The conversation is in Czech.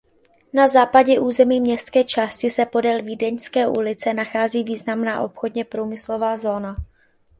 Na západě území městské části se podél Vídeňské ulice nachází významná obchodně průmyslová zóna.